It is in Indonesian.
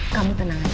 kamu tenang aja ya